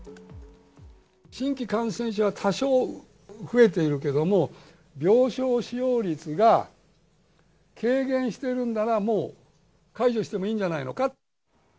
新規感染者は多少増えているけれども病床使用率が軽減しているならもう解除してもいいんじゃないのか。